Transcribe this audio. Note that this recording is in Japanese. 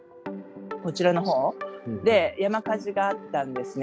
こちらのほうで山火事があったんですね。